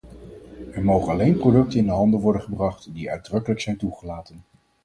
Er mogen alleen producten in de handel worden gebracht die uitdrukkelijk zijn toegelaten.